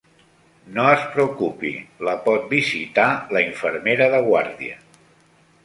No es preocupi, la pot visitar la infermera de guàrdia.